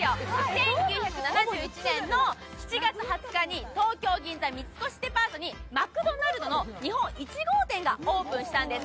１９７１年の７月２０日東京・銀座、三越デパートにマクドナルドの日本１号店がオープンしたんです。